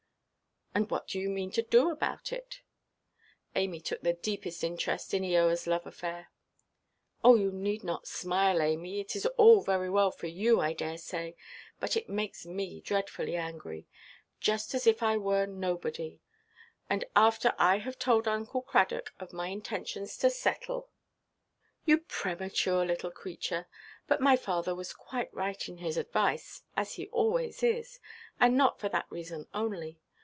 "And what do you mean to do about it?" Amy took the deepest interest in Eoaʼs love–affair. "Oh, you need not smile, Amy. It is all very well for you, I dare say; but it makes me dreadfully angry. Just as if I were nobody! And after I have told Uncle Cradock of my intentions to settle." "You premature little creature! But my father was quite right in his advice, as he always is; and not for that reason only.